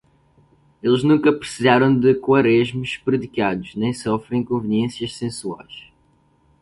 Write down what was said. Eles nunca precisam de Quaresmes predicados, nem sofrem inconveniências sensuais.